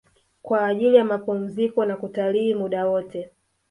Kwa ajili ya mapumziko na kutalii muda wote